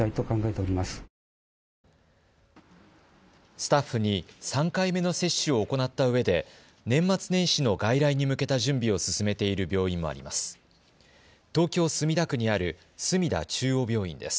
スタッフに３回目の接種を行ったうえで年末年始の外来に向けた準備を進めている病院もあります。